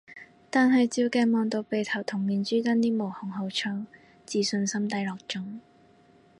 但係照鏡望到鼻頭同面珠墩啲毛孔好粗，自信心低落中